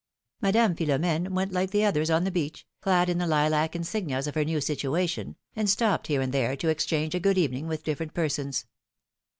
Madame Philom5ne went like the others on the beach, clad in the lilac insignias of her new situation, and stopped here and there to excliange a good evening with different persons.